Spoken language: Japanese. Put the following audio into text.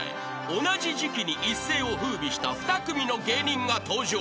［同じ時期に一世を風靡した２組の芸人が登場］